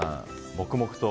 黙々と。